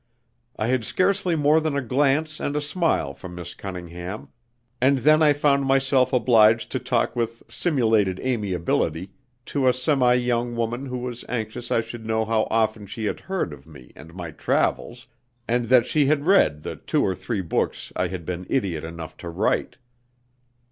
I had scarcely more than a glance and a smile from Miss Cunningham, and then I found myself obliged to talk with simulated amiability to a semi young woman who was anxious I should know how often she had heard of me and my "travels," and that she had read the two or three books I had been idiot enough to write.